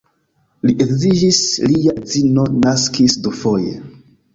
Li edziĝis, lia edzino naskis dufoje.